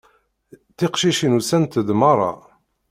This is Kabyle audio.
Tiqcicin usant-d merra.